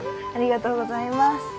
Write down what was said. ありがとうございます。